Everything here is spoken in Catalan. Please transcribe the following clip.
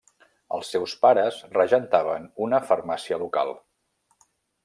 Els seus pares regentaven una farmàcia local.